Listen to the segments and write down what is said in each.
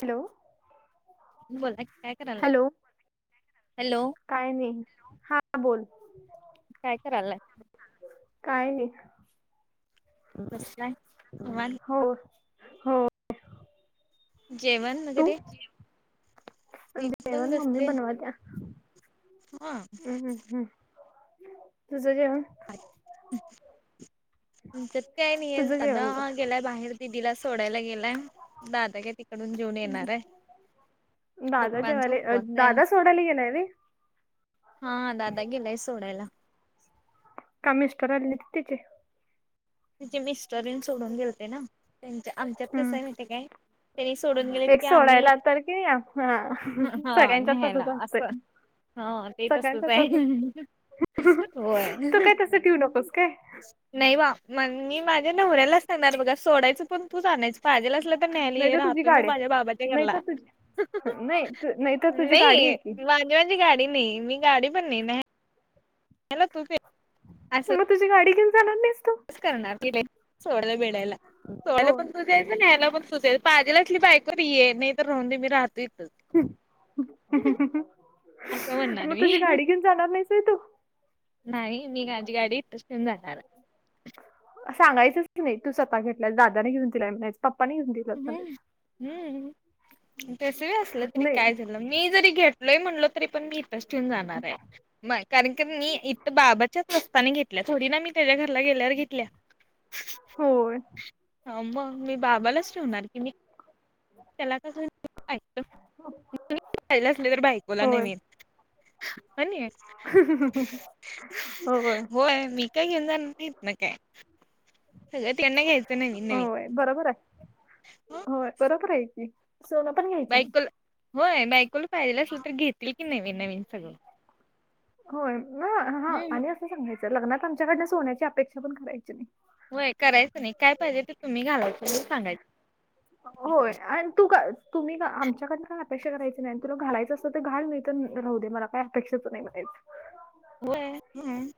Hello. बोला की काय करायलाय? Hello hello? काय नाही, हा बोल. काय करालाय? काय नाही, बसलाय निवांत हो. हो जेवण वैगरे. म्हजे जेवण मम्मी बसले बनवत्या हम्म हम्म हम्म. तुझं जेवण? त आमच्यात ते आणि हे तुझं दादा जेवण कर गेला बाहेर. दिदीला सोडायला गेलाय, दादा काय तिकडून जेऊन येणार आहे. दादा पप्पांचा जेवायले, अ उपवास आहे दादा सोडायले गेलाय वय. हा दादा गेलाय सोडायला. का मिस्टर आलीत तेचे? तिचे मिस्टर येऊन सोडून गेलते ना, तेंच्या आमच्यात कसं हम्म आहे माहितीय काय? त्यांनी सोडून गेलेत एक की आम्ही, सोडायला तर की हा आ ह ह, हा सगळ्यांच्या न्यायला तसच असतंय असं. हा ते तसच आहे. हह तू होय काय, तस ठेऊ नकोस काय. नाही बा म मी माझ्या नवऱ्यालाच सांगणार बघा, सोडायचं पण तूच आणायच पाहिजेल असल नाही तर तुझी गाडी आहे, नाही त तुझी, नाही नाही त तुझी गाडी आहे की आणि माझी गाडी नाही, मी गाडी पण नाही. नाही ह्याला तू पे. मग तुझी गाडी घेऊन जाणार नाहीस तु? करणार की लई सोड वेडायला, सोलाला पण तोच यचं न्यायला पण सुय पाजेला, असली बायको ये नाही तर राहून दे मी राहतो इथच. असं म्हणणार मग तुझी मी गाडी घेऊन जाणार नाहीस व्हय तू? नाही मी माझी गाडी इथच ठेऊन जाणार आहे. सांगायच नाही तू स्वः घेतलाय दादाने घेऊन दिलाय म्हणायच पप्पाने घेऊन दिल हम्म, हम्म हम्म. तसही असलं तरी नाही काय झालं? मी जरी घेतलोय म्हणलो तरी पण मी इथेच ठेऊन जाणार हाय. नई कारण की मी इथं बाबाच्याच असस्तानी घेतल्या थोडी ना मी त्याच्या घरला गेल्यावर घेतल्या. [inaudible] होय. हं मग मी बाबालाचं ठेवणार की. मी त्याला कस अस तर बायकोला होय नवीन. आणि होय मी काय घेऊन जाणार नाहीत हितन काय. सगळं त्यांना घ्यायचं नवीन नवीन. होय बरोबर आहे होय बरोबर आहे की. सोनं पण घ्याय बायकोला होय बायकोला पाहिजेला असल तर घेतील की नवीन नवीन सगळं. होय ना हा हम्म आणि असं सांगायचं लग्नात आमच्याकडनं सोन्याची अपेक्षा पण करायची नाही. होय करायचं नाही काय पाहिजे ते तुम्ही घाला. होय आणि तू काय तुम्ही आमच्याकडे काय अपेक्षा करायची नाही आणि तुला घालायचं असं तर घाल मिळत राहू दे, मला काय अपेक्षाच नाही म्हणायचं. [inaudible] होय हम्म.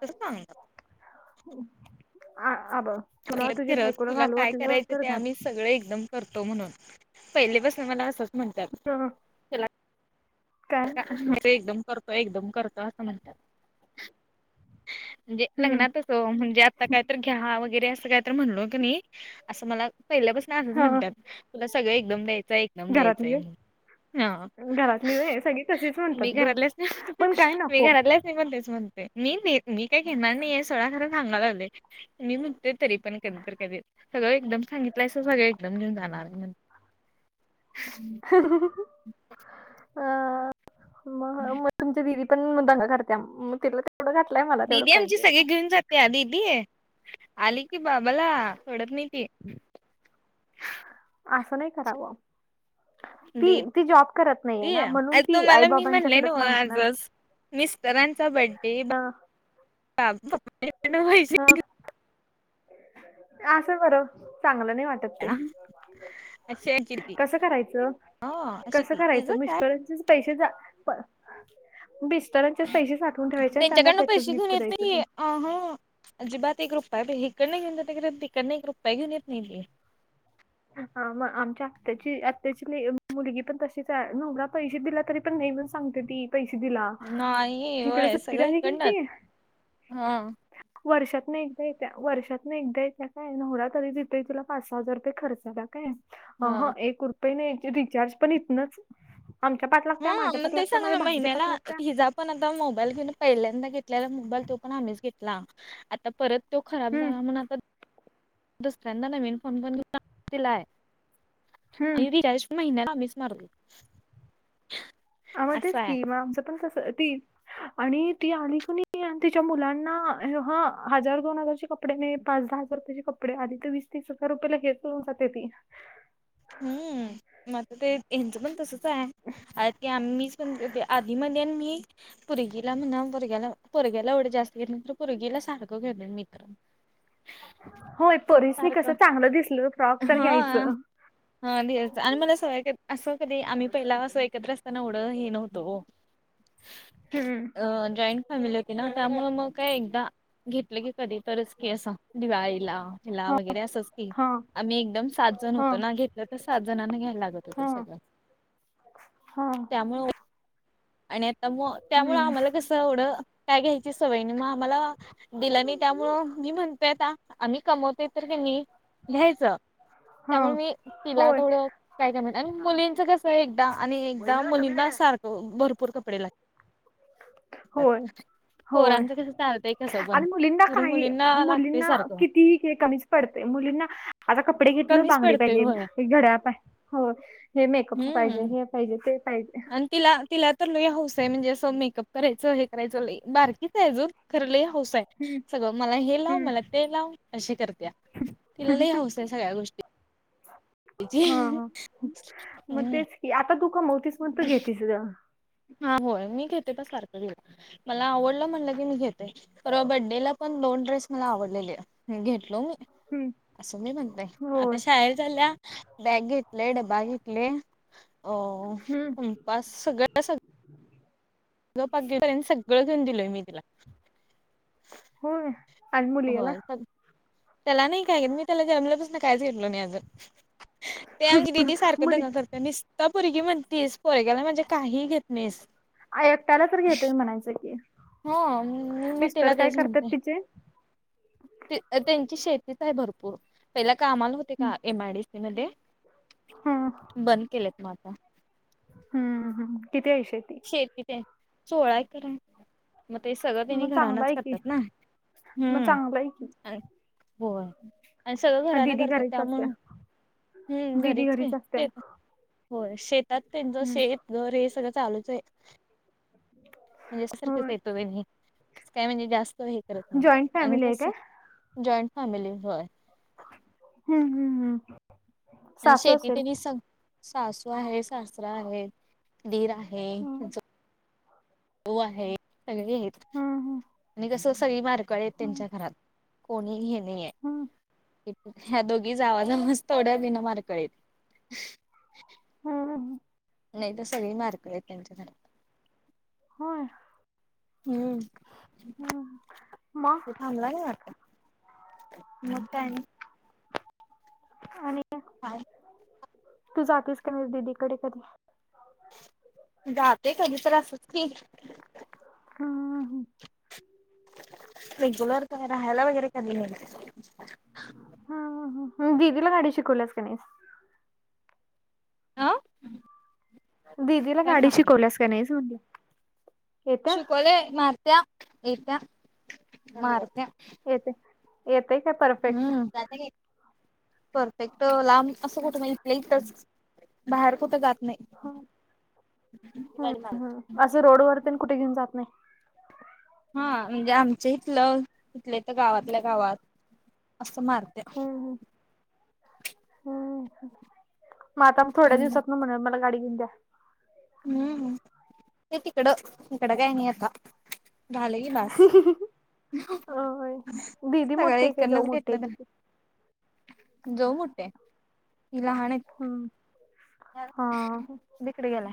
तस का म्हणतात? आ-आबा तुला म्हटलं तुझ्या फिरत बायकोला तुला घालू काय वाटलं ग करायचं ते आम्ही सगळे एकदम करतो म्हणून पहिलेपासून मला असंच म्हणतात. हं, काय? ते एकदम करतो, एकदम करतो असं म्हणत्यात. म्हणजे हं, लग्नातच ओ म्हणजे आता कायतर चहा वगैरे असं काय तर म्हणलो कनई असं मला पहिल्यापासून असंच हं म्हणत्यात, तुला सगळं एकदम द्यायचं आहे. दम द्यायचं घरातली म्हण, हा. घरातली व्हय सगळी तशीच मी म्हणतात ग घरातलेच ना पण काय मी नको. घरातलेच मी पण तेच म्हणते, मी मी काय घेणार नाहीय सोडा खरं सांगाय लागलोय. मी म्हणते तरी पण कधी तर कधी. सगळं एकदम सांगितलंयसा, सगळं एकदम घेऊन जाणार म्हण हम्म. हं हं हं हं, अ म म तुमच्या दीदी पण मग दंगा करत्या, मग तिला तेवढं घातलंय मला तेवढं पाहिजे. ते आ दीदी? आली की बाबाला सोडत नाही ती. [inaudible] असं नाही करावं ती देते ती जॉब करत नाहीे ना, अ म्हणून ती आई तुम्हाला मी म्हणले ना बाबांच्याकडेच मागणार. आजच मिस्टरांचा बड्डे हा [unintelligible] हा. असं बरं चांगलं नाही वाटत. केहा. कस करायचं? हा अशी कस ती तिचं करायचं? काय मिस्टरांचीच पैसे जा प मिस्टरांचेच पैसे साठवून ठेवायचे आणि त्यांना त्याचंच गिफ्ट द्यायचं ग. आ हा अजिबात एक रुपया बी, हिकडन घेऊन जाते खरं तिकडन एक रुपया घेऊन येत नाही मी. आ मग आमच्या आत्याची आत्याची मुलगी पण तशीच आहे, नवरा पैसे दिला तरी पण नाही म्हणून सांगते ती. पैसे दिला, नाही हिकडं व्हय सगळं सुट्टीला आली कणी हिकडनंच ती. हा वर्षातन एकदा येत्या वर्षात ना एकदा येत्या काय, नवरा तरी तिथं तिला पाच सहा हजार रुपये खर्च. मला काय हा अहा एक रुपये नाही रिचार्ज पण इतनच. आमच्या पाट हा लागत्या, माझ्या पाठ मग ते लागत्या, माझ्या सांगालोय भाऊच्या पाठ महिन्याला लागत्या. हिजा पण आता मोबाईल घेन पहिल्यांदा घेतलेला मोबाईल तो पण आम्हीच घेतला आता परत. तो खराब हम्म झाला म्हणून आता दुसऱ्याना नवीन फोन घेवून पण दिलाय, हम्म आणि रिचार्ज. महिन्याला आम्हीचं मारतोय. आम्हा तेच की, मग आमचं पण कस ती. आणि ती आली कणी, तिच्या मुलांना हं हजार दोन हजारची कप कपडे पाच दहा हजार रुपयेच कपडे, आधी ते वीस तीस हजार रुपयेला हे करून जाते ती. हम्म. म ते हेचं पण तसंच आहे, की आम्हीच पण आधी मधी आणि मी. पोरगी ला म्हणा पोरग्याला, पोरग्याला येवढ जास्तं घेत नाही खरं पोरगीला सारख घेतोय मी तर. होय. पोरीसनी सारखं कसं चांगलं दिसलं, फ्रॉक तर हा घ्यायचं. हा आणि मला सवय असं कधी, आम्ही पहिला असं एकत्र असताना येवढं हे नव्हत ओ. [inaudible] हम्म. अ जॉईंट फॅमिली होती ना त्यामुळं मग काय एकदा घेतलं की कधी तरच की, असं दिवाळीला. हिला हा वगैरे असंच की, आम्ही एकदम सात जण होतो हा ना घेत. घेतल तर सात जणांना घ्यायला, लागत होतं हा सगळं. हा त्यामुळं आणि आता त्यामुळे हम्म आम्हाला कसं. तेवढं काय घ्यायची सवय नाही, मग आम्हाला. दिलं नाही त्यामुळं मी म्हणतोय आता, आम्ही कमवतोय तर कणी. घ्यायचं, हा त्यामुळे मी तिला होय थोडं. काय काय म्हण आणि मुलींच कस आहे, एकदा आणि एकदा मुलींना सारखं भरपूर कपडे लागते. होय [unintelligible] होय. आणि मुलींना खरं काही, मुलींना लागतंय मुलींना सारखं. कितीही कमीच. पडते मुलींना. आता कपडे घेतलं कमीच बांगडी पडतंय पाहिजे, होय. घड्याळ हो हे मेकअप पाहिजे हम्म हे. पाहिजे ते पाहिजे. आणि तिला तिला तर लै हौस आहे, म्हणजे असं मेकअप करायचं हे करायचं बारकीच आहे अजून. खर लै हौस आहे. हम्म सगळं मला हे लाव हम्म मला ते लाव, अशी करत्या तिला हम्म लै हौस आहे सगळ्या गोष्टी. हां हां.. मग हम्म तेच की आता तू, कमवतीस मग तु घेतीस गं. हां होय मी घेते बाई सारखं तीला, मला आवडलं म्हणलं की मी येतोय. परवा बड्डेला पण, दोन ड्रेस मला आवडलेले घेतलो मी. हम्म असं मी म्हणतंय आता होय शाळेला चालल्या. बॅग घेतले डबा घेतले, अ हम्म कंपास सगळं सगळं. [unintelligible] सगळं घेऊन दिलोय मी तिला. होय. आणि मुलग्याला होय. त्याला नाही काय मी त्याला, जन्मल्यापासून कायच घेतलो नाही अजून. ते आमचे दिदी सारखं मुली दंगा करत्या निस आता पोरगी म्हणतीस, पोरग्याला माझ्या काही घेत नाहीसं. आं.. एकट्यायला तर घेतोय म्हणायचं की. हो मग तिला मिस्टर काय तेच करतात म्हणते. तिचे त्यांची शेतीच आहे भरपूर, पहिला कामाला होते का एमआयडी. तिन दे. हम्म. बंद केलेत मा आता. हम्म हम किती आहे असे? शेती ते सोळा एकर आहे, मग ते सगळं त्यांनी मग चांगला घरानाच आहे की करतात ना. मग हम्म. चांगला आहे की होय आणि सगळं घराने दिदी करतात घरीच असत्या त्यामुळं. हम्म, दिदी घरीच की असत्या शे होय, शेतात त्यांचं, हम्म शेत घर हे सगळं चालूच ये. [unintelligible] म्हणजेसारखच होय येतो नाही काय म्हणजे जास्त हे. करत नाही जॉईंट आणि फॅमिली आहे काय. कसं जॉईंट फॅमिली होय. हम्म हम्म हम्. शेतीतनी स सासू आहे, सासरा आहे दीर आहे हम्म जा हो आहे सगळे आहेत हम्म आणि कसं सगळी मारकळ आहेत हम्म त्यांच्या खा. खात, कोणी हे नाही हम्म आहे. ह्या दोघी जावा जावा चं, तेवढ्या बिनामाळरी येत. हम्म. नाही तर सगळी मार्क आहेत त्यांच्या घरा. होय. हम्म मग थांबला ने वाटतं? मग काय म्हणे? आणि अ हाय. तू जातीस की, नाही दिदीकडे कधी. जात कधीतर असच की. हम्म हम. रेग्युलर तर, राहायला वगैरे कधी नाही. ह दिदीला गाडी शिकवलंस का नाही? आ. दिदीला गाडी शिकवल्यास का नाहीच म्हणली. शुकोले मारत्याय येऐत्या मारत्या. येते येतंय, काय परफेक्ट. जाता के? परफेक्ट लांब असं कुठ नाही प्लेटचं बाहेर कुठं जातं. ह हम् हम, असं रोड वर तेन, कुठे घेऊन जात नाही. हा म्हणजे आमच्या इथलं तिथले तर गावातल्या गावात असं मारते. हम् मग आता थोड्या दिवसात ना म्हण मला गाडी घेऊन द्या. हम्म ते तिकडं तिकडं काय नाही आता झालं की बस. हम्म हं हं अय दिदी सगळं मोठीे काय जाऊ इकडनच मोठे घेतलं आहे तिथे. जाऊ मोट आहे लहान. हम्म ह हा बिकडे गेलाय.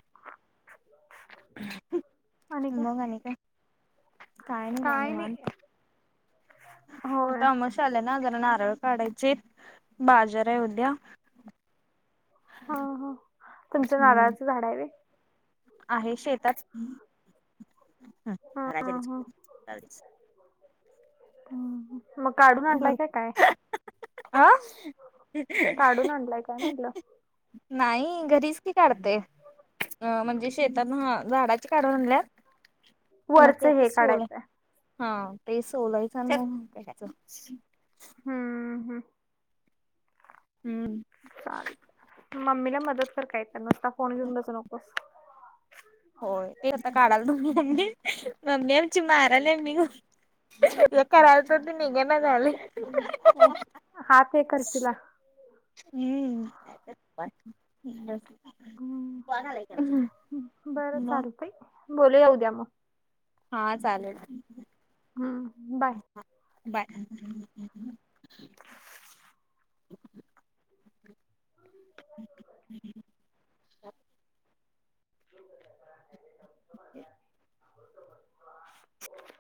मग आणि काय काहीण काय पाणे नाही मनतो. होय आता आमोशा आले ना, जरा नारळ काढायचे बाजार आहे उद्या. हा हां तुमचं हम्म नारळाच झाड आहे होय. आहे शेतात हा घराकडेच. हा मग काढून आणलाय का काय? हा.. काढून आणलाय काय म्हटलं नाही घरीच की काढते. अ म्हणजे शेतात झाडाची काढून आणल्या. मग ते वरच आता, हे सोला काढायचंय हां.. ते सोलायच. हम्म हम. हम्म. चालेल मम्मीला मदत कर, नसता फोन घेऊन बसू नकोस. होय ते आता काढायला दोन्ही अंडी, मम्मी आमची मारायला मी या करायलाच ते निघे ना झाले. ए हात हे करशीला अं. हम्म [unintelligible] का बोलूया उद्या मग. हा चालेल हम्म बाय. बाय. [inaudible]